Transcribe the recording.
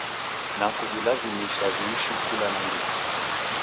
Na kuw'ilazimisha w'iishi kula nandighi